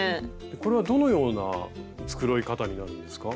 これはどのような繕い方になるんですか？